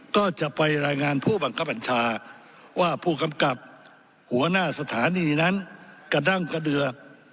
ก็จะไปรายงานผู้บังคับบัญชาว่าผู้กำกับหัวหน้าสถานีนั้นกระดั้งกระเดือ